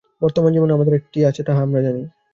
বর্তমান জীবন আমাদের একটি আছে, তাহা আমরা জানি।